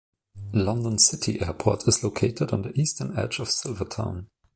London City Airport is located on the eastern edge of Silvertown.